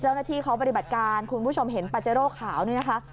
เจ้าหน้าที่เขาปฏิบัติการคุณผู้ชมเห็นปาเจโร่ขาวนี่นะคะ